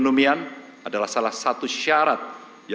semoga berhasil tetap disposalksinya